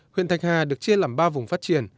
huyện thạch hà được chia làm ba vùng phát triển